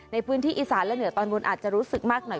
ในพื้นที่อีสานและเหนือตอนบนอาจจะรู้สึกมากหน่อย